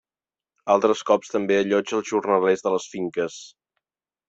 Altres cops també allotja els jornalers de les finques.